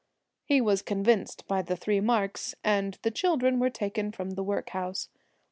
He was convinced by the three marks, and the children were taken from the workhouse.